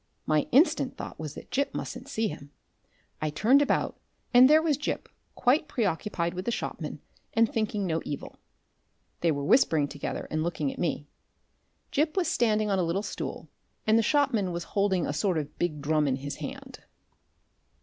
My instant thought was that Gip mustn't see him. I turned about, and there was Gip quite preoccupied with the shopman, and thinking no evil. They were whispering together and looking at me. Gip was standing on a little stool, and the shopman was holding a sort of big drum in his hand.